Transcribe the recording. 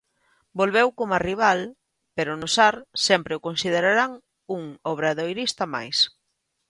Volveu coma rival pero no Sar sempre o considerarán un obradoirista máis.